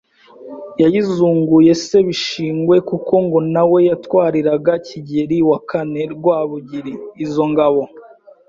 yayizunguyeho se Bishingwe kuko ngo nawe yatwariraga Kigeli IV Rwabugili izo ngabo.